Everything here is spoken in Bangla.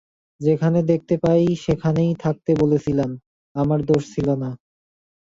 যেখানে দেখতে পাই সেখানেই থাকতে বলেছিলাম - আমার দোষ ছিল না।